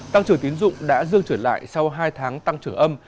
tăng trở tín dụng đã dương trở lại sau hai tháng tăng trở âm